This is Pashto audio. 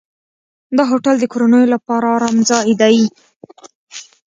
دا هوټل د کورنیو لپاره آرام ځای دی.